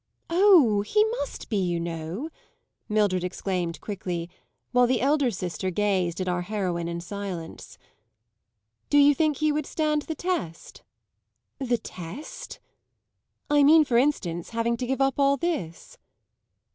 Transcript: "Oh, he must be, you know!" Mildred exclaimed quickly, while the elder sister gazed at our heroine in silence. "Do you think he would stand the test?" "The test?" "I mean for instance having to give up all this."